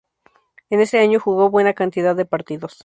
En ese año jugó buena cantidad de partidos.